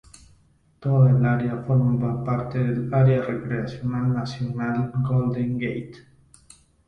Toda el área forma parte del Área Recreacional Nacional Golden Gate.